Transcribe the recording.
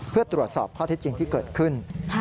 เพื่อตรวจสอบข้อเท็จจริงที่เกิดขึ้น